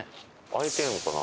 開いてるのかな？